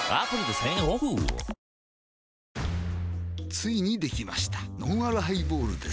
ついにできましたのんあるハイボールです